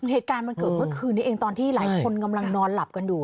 เหตุการณ์มันเกิดเมื่อคืนนี้เองตอนที่หลายคนกำลังนอนหลับกันอยู่